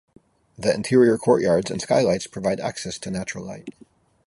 The interior courtyards and skylights provide access to natural light.